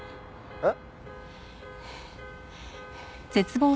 えっ？